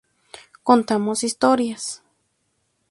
Contamos historias".